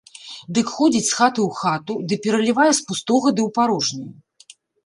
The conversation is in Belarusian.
Дык ходзіць з хаты ў хату ды пералівае з пустога ды ў парожняе.